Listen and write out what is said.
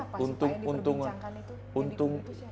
siapa sih yang diperbincangkan itu